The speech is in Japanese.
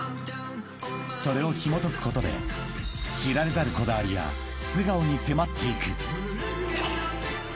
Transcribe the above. ［それをひもとくことで知られざるこだわりや素顔に迫っていく］